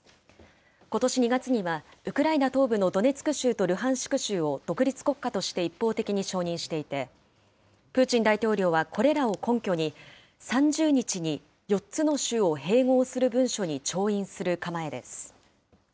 ことし２月には、ウクライナ東部のドネツク州とルハンシク州を独立国家として一方的に承認していて、プーチン大統領はこれらを根拠に、３０日に４つの州を併合する文書に調印する構えです。